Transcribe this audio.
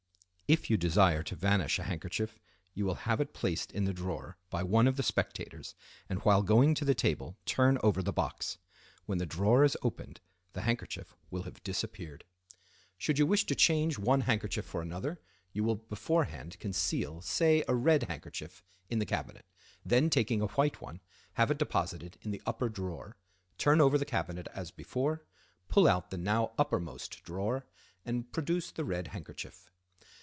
If you desire to vanish a handkerchief you will have it placed in the drawer by one of the spectators, and while going to the table turn over the box. When the drawer is opened the handkerchief will have disappeared. Should you wish to change one handkerchief for another you will beforehand conceal say a red handkerchief in the cabinet; then taking a white one, have it deposited in the upper drawer, turn over the cabinet as before, pull out the now uppermost drawer, and produce the red handkerchief.